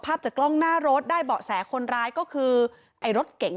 จากกล้องหน้ารถได้เบาะแสคนร้ายก็คือไอ้รถเก๋ง